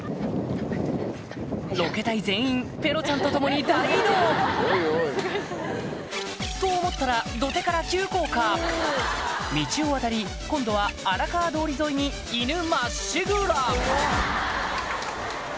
ロケ隊全員ペロちゃんと共に大移動と思ったら土手から急降下道を渡り今度は荒川通り沿いに犬まっしぐら！